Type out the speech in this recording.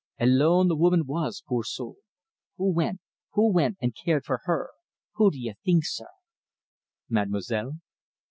Alone the woman was poor soul! Who wint who wint and cared for her? Who do ye think, sir?" "Mademoiselle?"